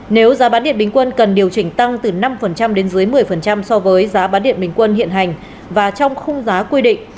nếu giá bán điện bình quân cần điều chỉnh tăng từ năm đến dưới một mươi so với giá bán điện bình quân hiện hành và trong khung giá quy định